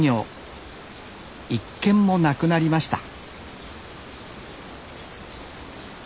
１軒もなくなりました